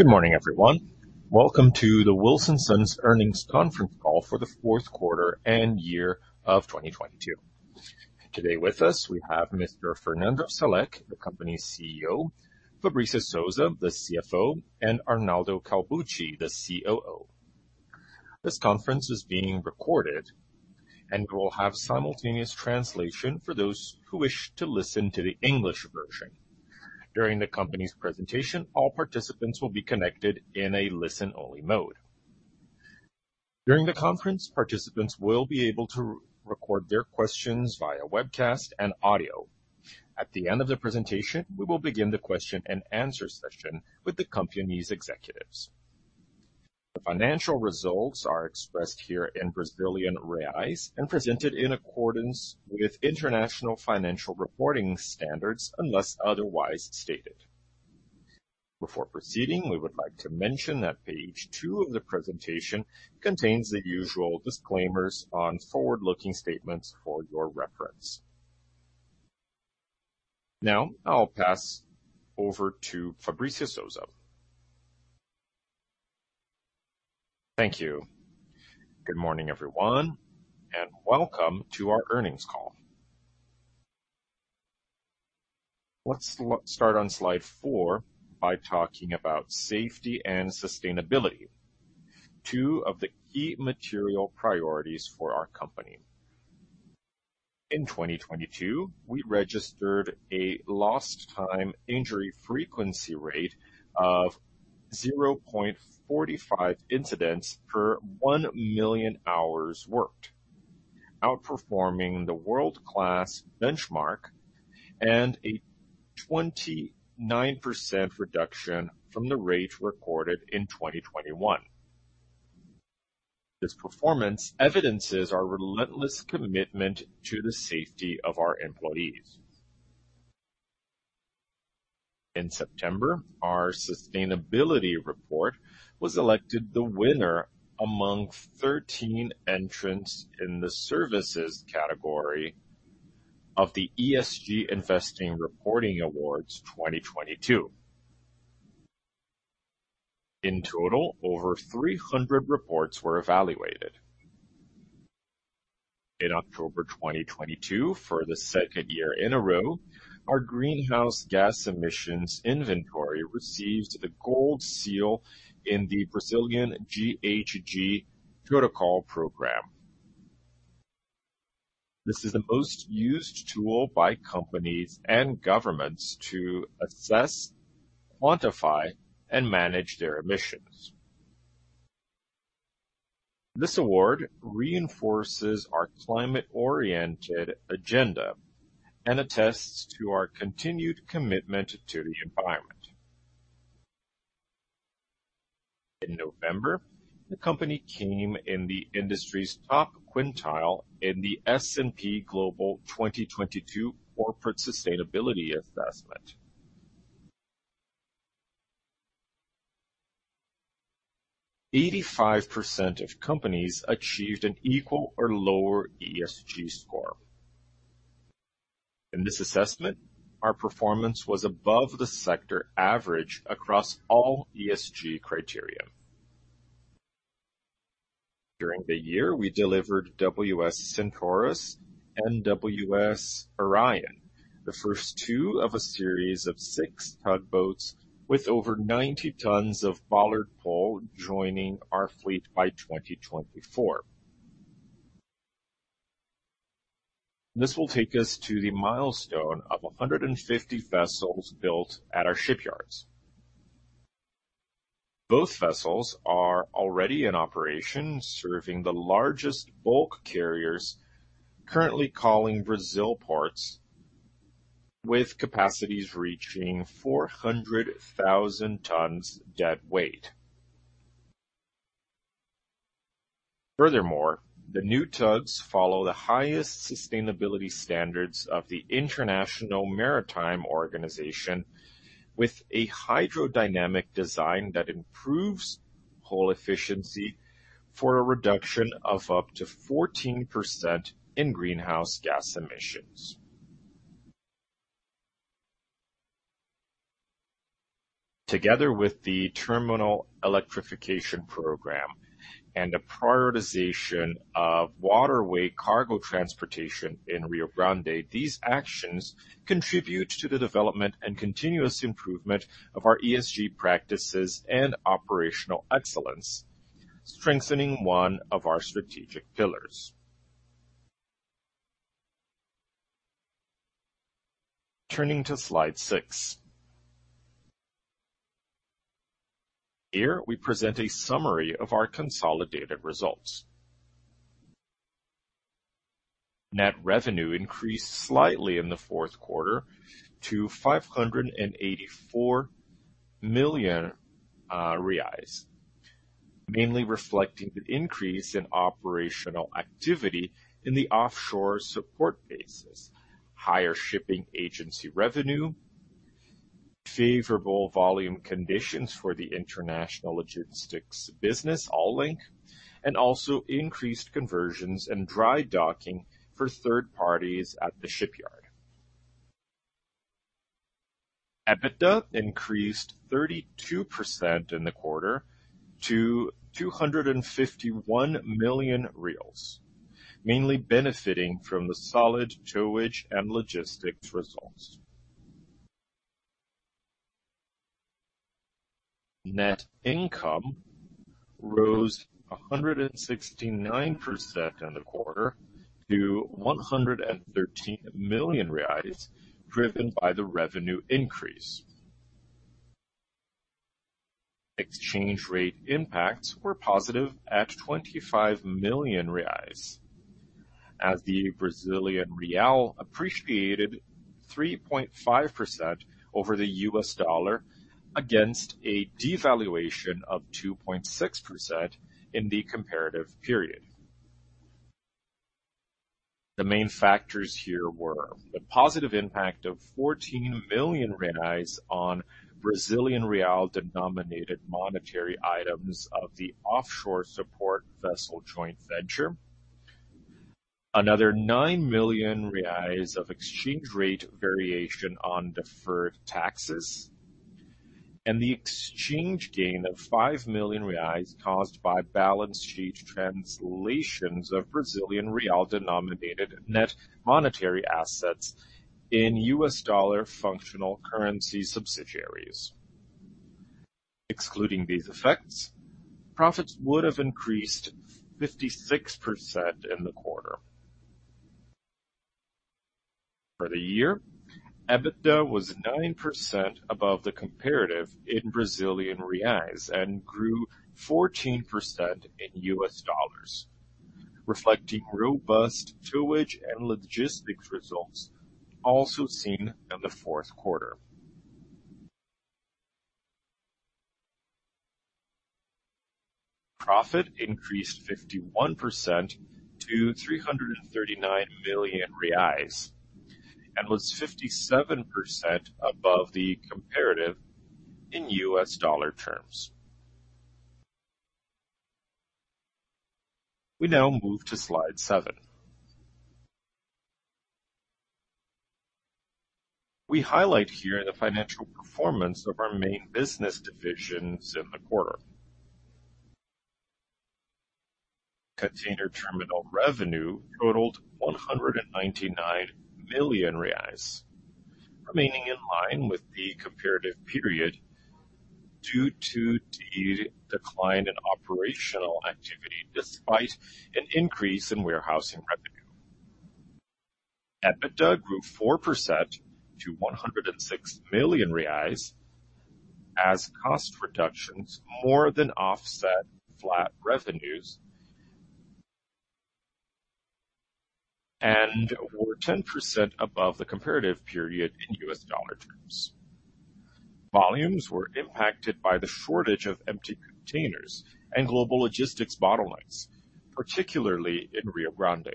Good morning, everyone. Welcome to the Wilson Sons Earnings Conference Call for the fourth quarter and year of 2022. Today with us, we have Mr. Fernando Salek, the company's CEO, Fabrícia Souza, the CFO, and Arnaldo Calbucci, the COO. This conference is being recorded and will have simultaneous translation for those who wish to listen to the English version. During the company's presentation, all participants will be connected in a listen-only mode. During the conference, participants will be able to record their questions via webcast and audio. At the end of the presentation, we will begin the question and answer session with the company's executives. The financial results are expressed here in Brazilian reais and presented in accordance with international financial reporting standards, unless otherwise stated. Before proceeding, we would like to mention that page two of the presentation contains the usual disclaimers on forward-looking statements for your reference. Now, I'll pass over to Fabrícia Souza. Thank you. Good morning, everyone, and welcome to our earnings call. Let's start on slide four by talking about safety and sustainability, two of the key material priorities for our company. In 2022, we registered a lost time injury frequency rate of 0.45 incidents per 1 million hours worked, outperforming the world-class benchmark and a 29% reduction from the rate recorded in 2021. This performance evidences our relentless commitment to the safety of our employees. In September, our sustainability report was elected the winner among 13 entrants in the services category of the ESG Investing Reporting Awards 2022. In total, over 300 reports were evaluated. In October 2022, for the second year in a row, our greenhouse gas emissions inventory received the Gold Seal in the Brazilian GHG Protocol Program. This is the most used tool by companies and governments to assess, quantify, and manage their emissions. This award reinforces our climate-oriented agenda and attests to our continued commitment to the environment. In November, the company came in the industry's top quintile in the S&P Global 2022 Corporate Sustainability Assessment. 85% of companies achieved an equal or lower ESG score. In this assessment, our performance was above the sector average across all ESG criteria. During the year, we delivered WS Centaurus and WS Orion, the first two of a series of six tugboats with over 90 tons of bollard pull joining our fleet by 2024. This will take us to the milestone of 150 vessels built at our shipyards. Both vessels are already in operation, serving the largest bulk carriers currently calling Brazil ports with capacities reaching 400,000 tons deadweight. Furthermore, the new tugs follow the highest sustainability standards of the International Maritime Organization with a hydrodynamic design that improves hull efficiency for a reduction of up to 14% in greenhouse gas emissions. Together with the terminal electrification program and the prioritization of waterway cargo transportation in Rio Grande, these actions contribute to the development and continuous improvement of our ESG practices and operational excellence, strengthening one of our strategic pillars. Turning to slide six. Here, we present a summary of our consolidated results. Net revenue increased slightly in the fourth quarter to 584 million reais, mainly reflecting the increase in operational activity in the offshore support bases, higher shipping agency revenue, favorable volume conditions for the international logistics business, Allink, and also increased conversions and dry docking for third parties at the shipyard. EBITDA increased 32% in the quarter to 251 million, mainly benefiting from the solid towage and logistics results. Net income rose 169% in the quarter to 113 million reais, driven by the revenue increase. Exchange rate impacts were positive at 25 million reais as the Brazilian real appreciated 3.5% over the U.S. dollar against a devaluation of 2.6% in the comparative period. The main factors here were the positive impact of 14 million reais on Brazilian real denominated monetary items of the offshore support vessel joint venture. Another 9 million reais of exchange rate variation on deferred taxes and the exchange gain of 5 million reais caused by balance sheet translations of Brazilian real denominated net monetary assets in U.S. dollar functional currency subsidiaries. Excluding these effects, profits would have increased 56% in the quarter. For the year, EBITDA was 9% above the comparative in Brazilian reais and grew 14% in U.S. dollars, reflecting robust towage and logistics results also seen in the fourth quarter. Profit increased 51% to 339 million reais and was 57% above the comparative in U.S. dollar terms. We now move to slide seven. We highlight here the financial performance of our main business divisions in the quarter. Container terminal revenue totaled 199 million reais, remaining in line with the comparative period due to the decline in operational activity despite an increase in warehousing revenue. EBITDA grew 4% to 106 million reais as cost reductions more than offset flat revenues and were 10% above the comparative period in U.S. dollar terms. Volumes were impacted by the shortage of empty containers and global logistics bottlenecks, particularly in Rio Grande.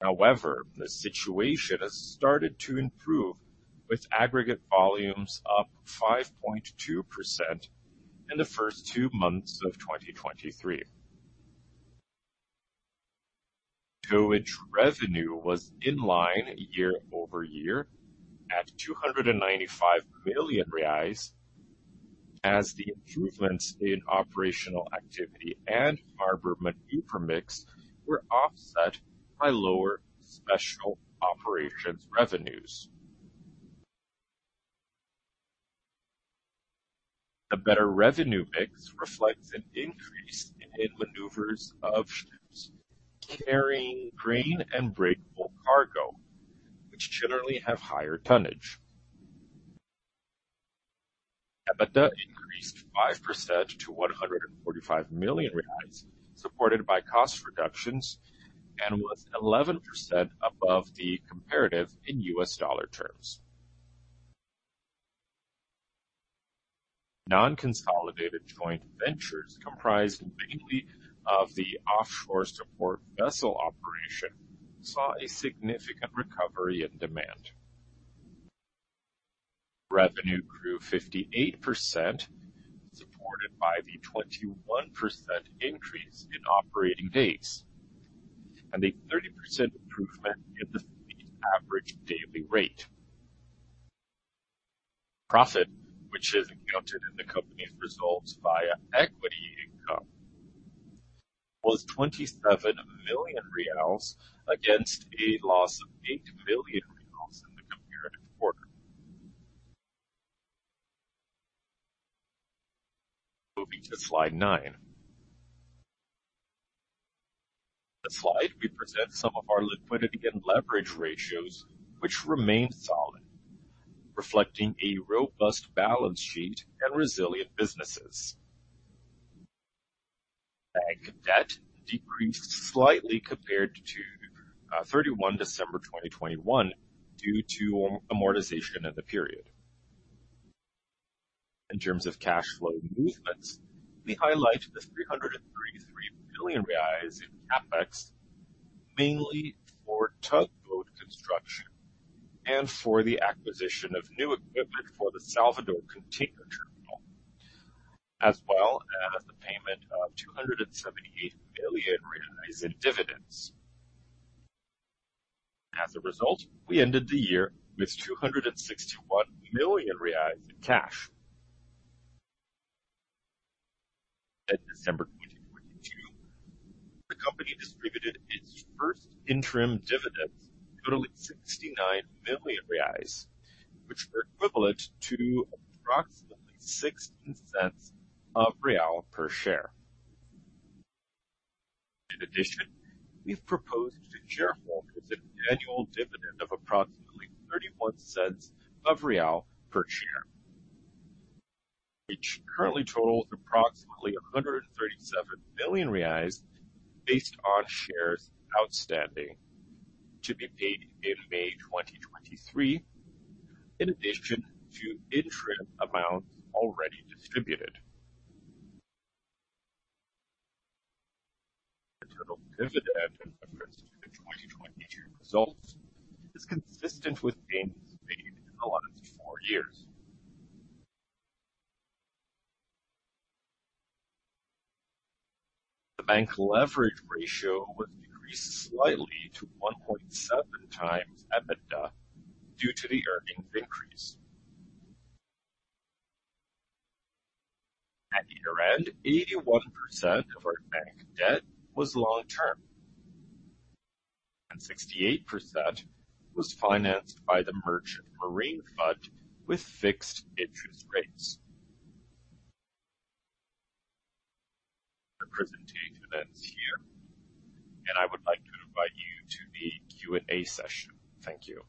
The situation has started to improve with aggregate volumes up 5.2% in the first two months of 2023. Towage revenue was in line year-over-year at 295 million reais as the improvements in operational activity and harbor maneuver mix were offset by lower special operations revenues. A better revenue mix reflects an increase in maneuvers of ships carrying grain and break bulk cargo, which generally have higher tonnage. EBITDA increased 5% to 145 million reais, supported by cost reductions, and was 11% above the comparative in U.S. dollar terms. Non-consolidated joint ventures, comprised mainly of the offshore support vessel operation, saw a significant recovery in demand. Revenue grew 58%, supported by the 21% increase in operating days and a 30% improvement in the fleet average daily rate. Profit, which is accounted in the company's results via equity income, was 27 million reais against a loss of 8 million reais in the comparative quarter. Moving to slide nine. In this slide, we present some of our liquidity and leverage ratios, which remain solid, reflecting a robust balance sheet and resilient businesses. Bank debt decreased slightly compared to 31 December 2021 due to amortization in the period. In terms of cash flow movements, we highlight the 333 million reais in CapEx, mainly for tugboat construction and for the acquisition of new equipment for the Salvador container terminal. As well as the payment of 278 million in dividends. As a result, we ended the year with 261 million reais in cash. At December 2022, the company distributed its first interim dividends totaling 69 million reais, which were equivalent to approximately 0.16 per share. In addition, we've proposed to shareholders an annual dividend of approximately 0.31 per share, which currently totals approximately 137 million reais based on shares outstanding to be paid in May 2023, in addition to interim amounts already distributed. The total dividend compared to the 2022 results is consistent with gains made in the last four years. The bank leverage ratio was decreased slightly to 1.7x EBITDA due to the earnings increase. At year-end, 81% of our bank debt was long-term, and 68% was financed by the Merchant Marine Fund with fixed interest rates. Our presentation ends here, and I would like to invite you to the Q&A session. Thank you.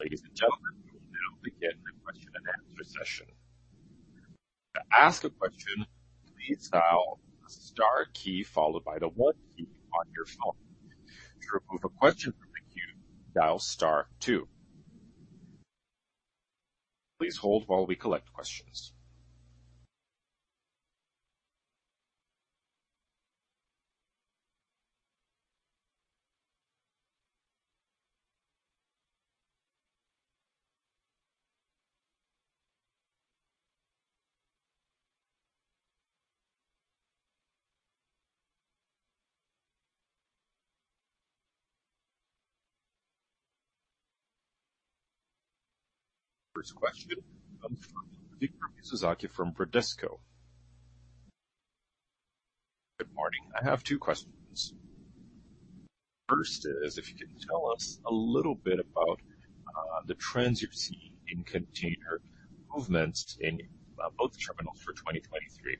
Ladies and gentlemen, we will now begin the question and answer session. To ask a question, please dial star key followed by the one key on your phone. To remove a question from the queue, dial star two. Please hold while we collect questions. First question comes from Victor Mizusaki from Bradesco. Good morning. I have two questions. First is if you can tell us a little bit about the trends you're seeing in container movements in both terminals for 2023.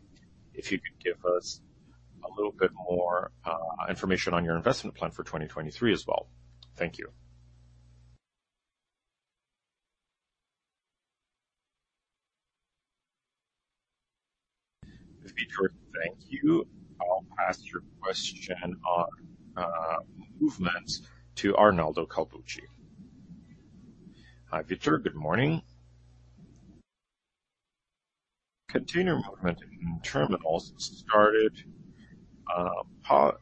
If you could give us a little bit more information on your investment plan for 2023 as well. Thank you. Victor, thank you. I'll pass your question on movements to Arnaldo Calbucci. Hi, Victor. Good morning. Container movement in terminals started positive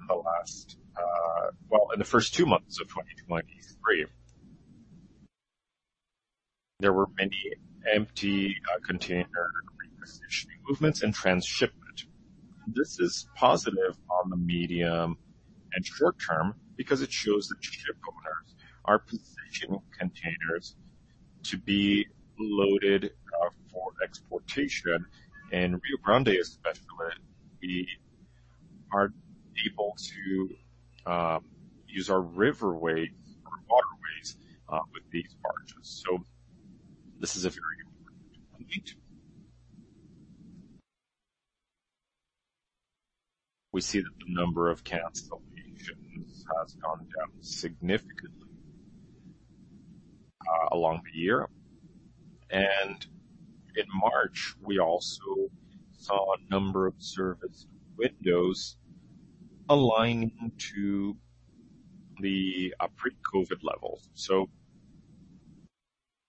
in the last, well, in the first two months of 2023. There were many empty container repositioning movements and transshipment. This is positive on the medium and short-term because it shows that ship owners are positioning containers to be loaded for exportation. In Rio Grande, in particular, we are able to use our riverways or waterways with these barges. This is a very important point. We see that the number of cancellations has gone down significantly along the year. In March, we also saw a number of service windows aligning to the pre-COVID levels.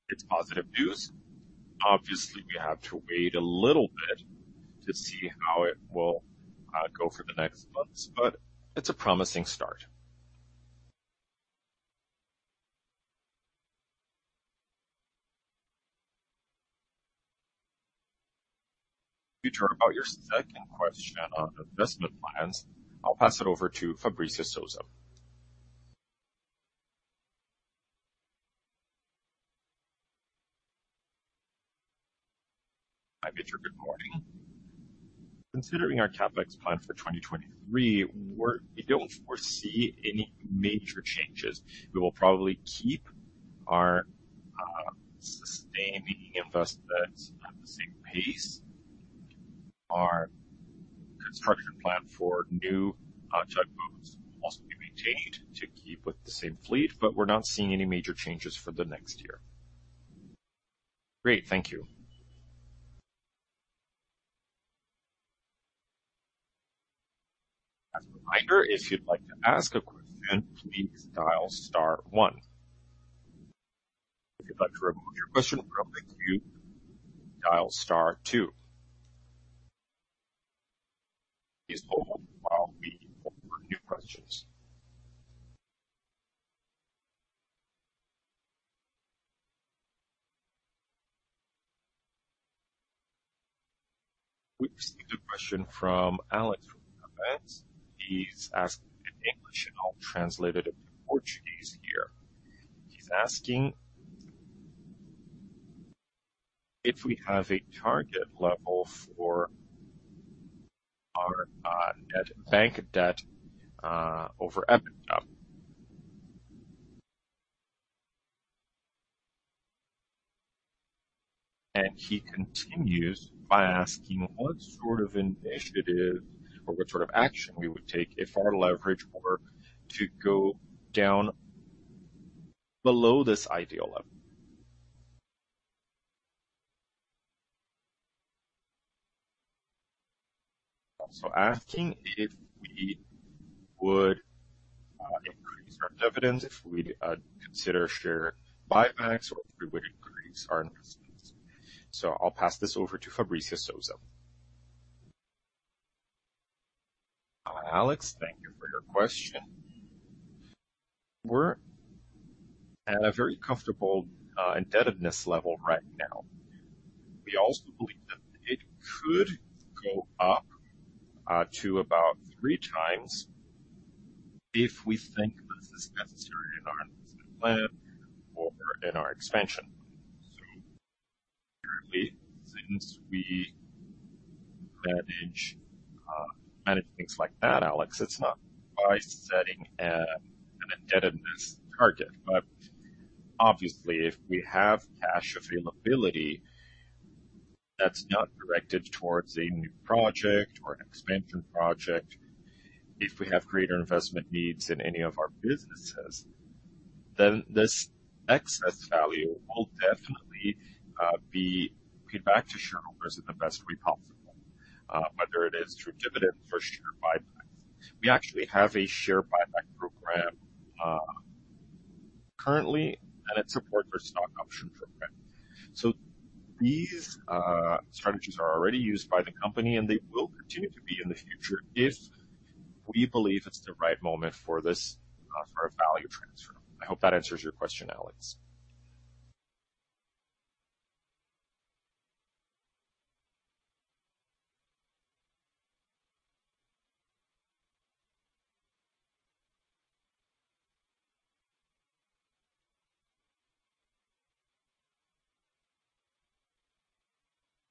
It's positive news. Obviously, we have to wait a little bit to see how it will go for the next months, but it's a promising start. Victor, about your second question on investment plans, I'll pass it over to Fabrícia Souza. Hi, Victor. Good morning. Considering our CapEx plan for 2023, we don't foresee any major changes. We will probably keep our sustaining investments at the same pace. Our construction plan for new tugboats will also be maintained to keep with the same fleet, but we're not seeing any major changes for the next year. Great. Thank you. As a reminder, if you'd like to ask a question, please dial star one. If you'd like to remove your question from the queue, dial star two. Please hold. We received a question from Alex from Event. He's asking in English and I'll translate it into Portuguese here. He's asking if we have a target level for our net bank debt over EBITDA. He continues by asking what sort of initiative or what sort of action we would take if our leverage were to go down below this ideal level. Asking if we would increase our dividends, if we'd consider share buybacks, or if we would increase our investments. I'll pass this over to Fabrícia Souza. Alex, thank you for your question. We're at a very comfortable indebtedness level right now. We also believe that it could go up to about 3x if we think this is necessary in our investment plan or in our expansion. Clearly, since we manage things like that, Alex, it's not by setting an indebtedness target. Obviously, if we have cash availability that's not directed towards a new project or an expansion project, if we have greater investment needs in any of our businesses, then this excess value will definitely be given back to shareholders in the best way possible, whether it is through dividends or share buybacks. We actually have a share buyback program currently, and it supports our stock option program. These strategies are already used by the company, and they will continue to be in the future if we believe it's the right moment for this, for a value transfer. I hope that answers your question, Alex.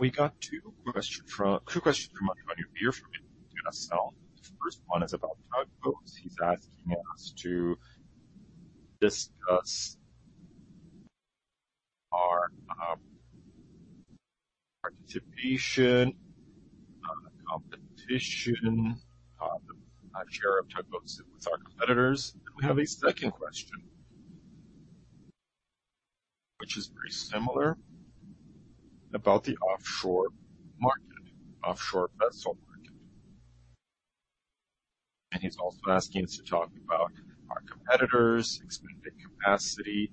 We got two questions from Antonio Baer from SL. The first one is about tugboats. He's asking us to discuss our participation, competition, the share of tugboats with our competitors. We have a second question which is very similar about the offshore market, offshore vessel market. He's also asking us to talk about our competitors, expanded capacity.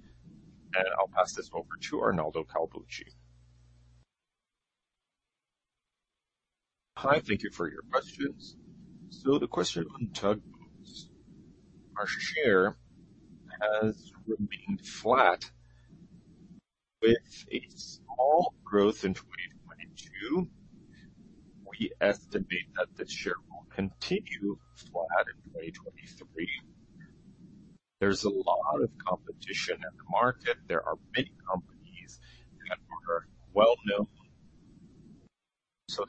I'll pass this over to Arnaldo Calbucci. Hi, thank you for your questions. The question on tugboats. Our share has remained flat with a small growth in 2022. We estimate that the share will continue flat in 2023. There's a lot of competition in the market. There are many companies that are well-known.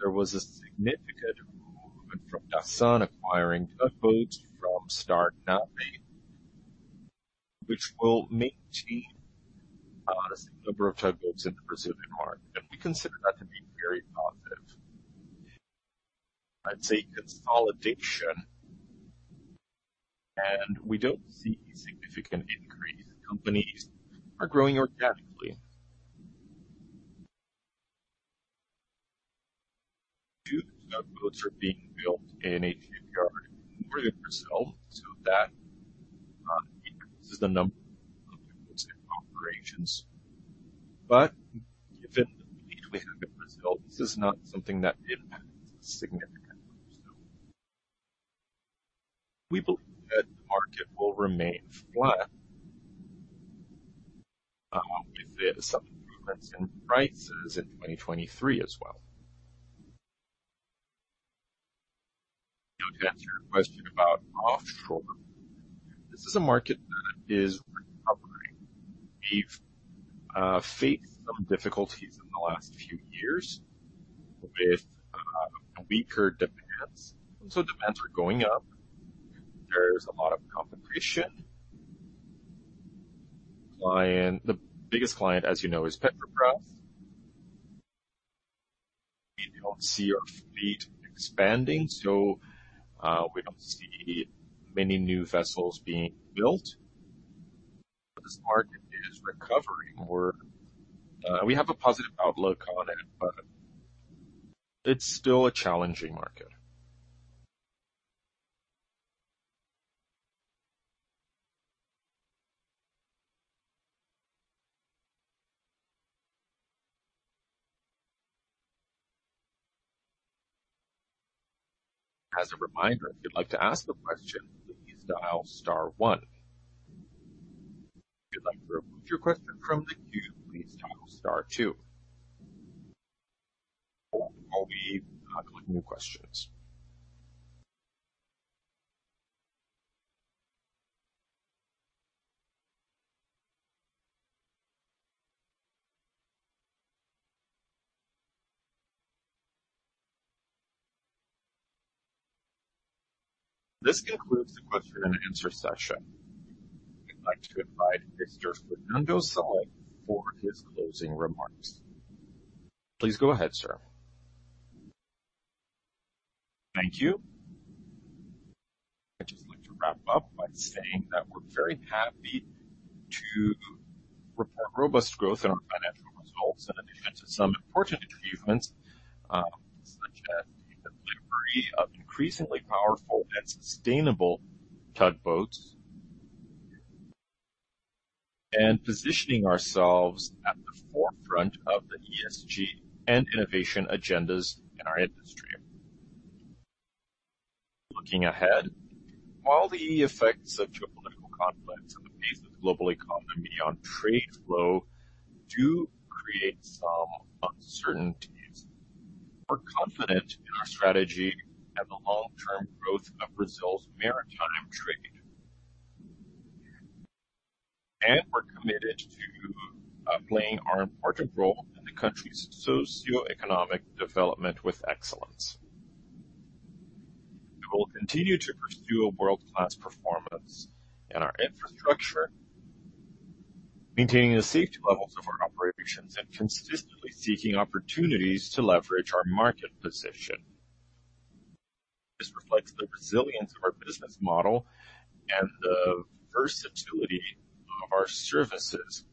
There was a significant movement from SAAM acquiring tugboats from Starnav, which will maintain a similar number of tugboats in the Brazilian market, and we consider that to be very positive. I'd say consolidation, and we don't see a significant increase. Companies are growing organically. Two tugboats are being built in a shipyard north of Brazil, so that increases the number of tugboats in operations. Given the need we have in Brazil, this is not something that impacts us significantly. We believe that the market will remain flat, with some improvements in prices in 2023 as well. To answer your question about offshore. This is a market that is recovering. We've faced some difficulties in the last few years with weaker demands. Also demands were going up. There's a lot of competition. The biggest client, as you know, is Petrobras. We don't see our fleet expanding, so we don't see many new vessels being built. This market is recovering. We have a positive outlook on it, but it's still a challenging market. As a reminder, if you'd like to ask the question, please dial star one. If you'd like to remove your question from the queue, please dial star two. We'll be taking new questions. This concludes the question and answer session. We'd like to invite Mr. Fernando Salek for his closing remarks. Please go ahead, sir. Thank you. I'd just like to wrap up by saying that we're very happy to report robust growth in our financial results, in addition to some important achievements such as the delivery of increasingly powerful and sustainable tugboats and positioning ourselves at the forefront of the ESG and innovation agendas in our industry. Looking ahead, while the effects of geopolitical conflicts and the pace of global economy on trade flow do create some uncertainties, we're confident in our strategy and the long-term growth of Brazil's maritime trade. We're committed to playing our important role in the country's socioeconomic development with excellence. We will continue to pursue a world-class performance in our infrastructure, maintaining the safety levels of our operations, and consistently seeking opportunities to leverage our market position. This reflects the resilience of our business model and the versatility of our services.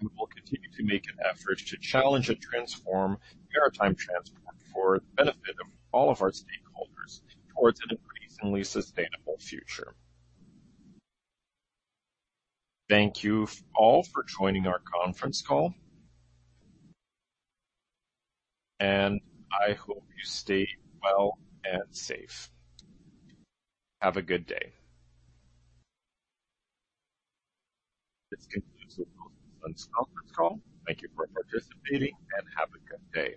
We will continue to make an effort to challenge and transform maritime transport for the benefit of all of our stakeholders towards an increasingly sustainable future. Thank you all for joining our conference call. I hope you stay well and safe. Have a good day. This concludes the conference call. Thank you for participating, and have a good day.